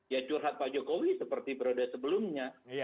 ya curhat pak jokowi seperti periode sebelumnya